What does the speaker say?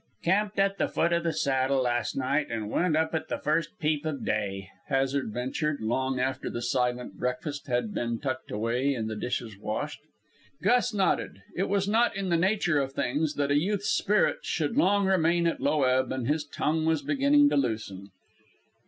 "Camped at the foot of the Saddle last night and went up at the first peep of day," Hazard ventured, long after the silent breakfast had been tucked away and the dishes washed. Gus nodded. It was not in the nature of things that a youth's spirits should long remain at low ebb, and his tongue was beginning to loosen.